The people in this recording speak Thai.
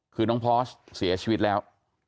คือน้องพอสเสียชีวิตแล้ว